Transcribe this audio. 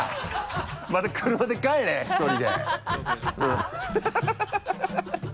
また車で帰れ１人で。